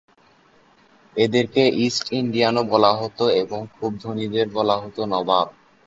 এদেরকে ‘ইস্ট ইন্ডিয়ান’ও বলা হতো এবং খুব ধনীদের বলা হতো ‘নবাব’।